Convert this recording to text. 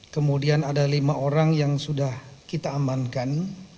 kemudian ada lima orang yang sudah kita amankan